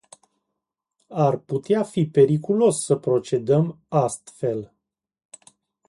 Ar putea fi periculos să procedăm astfel.